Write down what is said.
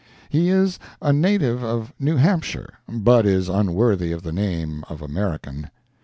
He is a native of New Hampshire, but is unworthy of the name of American.